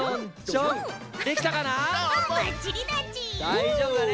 だいじょうぶだね。